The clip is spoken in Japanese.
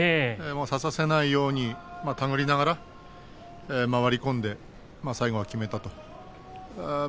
差させないように手繰りながら回り込んで最後はきめたと。